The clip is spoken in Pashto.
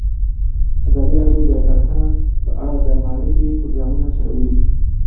ازادي راډیو د کرهنه په اړه د معارفې پروګرامونه چلولي.